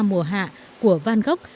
mùa hạ của van gogh